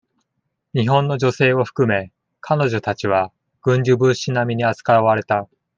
日本の女性を含め、彼女たちは、軍需物資なみに扱われた。